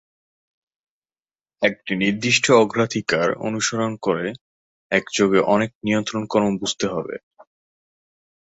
একটি নির্দিষ্ট অগ্রাধিকার অগ্রাধিকার অনুসরণ করে একযোগে অনেক নিয়ন্ত্রণ কর্ম বুঝতে।